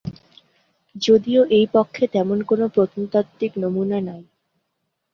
যদিও এই পক্ষে তেমন কোন প্রত্নতাত্ত্বিক নমুনা নাই।